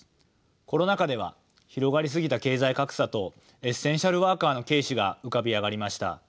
コロナ禍では広がり過ぎた経済格差とエッセンシャルワーカーの軽視が浮かび上がりました。